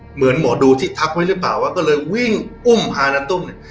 เหมือนหมอดูที่ทักไว้หรือเปล่าว่าก็เลยวิ่งอุ้มพาณตุ้มเนี่ย